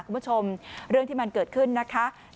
คุณผู้ชมเรื่องที่มันเกิดขึ้นนะคะ